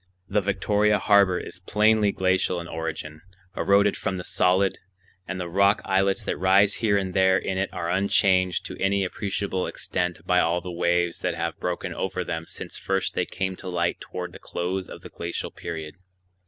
The Victoria Harbor is plainly glacial in origin, eroded from the solid; and the rock islets that rise here and there in it are unchanged to any appreciable extent by all the waves that have broken over them since first they came to light toward the close of the glacial period.